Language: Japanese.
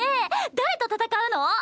誰と戦うの？